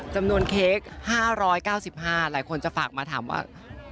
เค้ก๕๙๕หลายคนจะฝากมาถามว่า